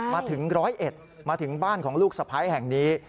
มาถึงร้อยเอ็ดมาถึงบ้านของลูกสะพ้ายแห่งนี้